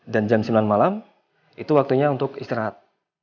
dan jam sembilan malam itu waktunya untuk istirahat